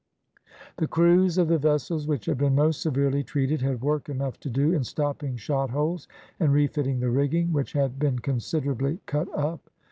The crews of the vessels which had been most severely treated had work enough to do in stopping shot holes and refitting the rigging, which had been considerably cut up.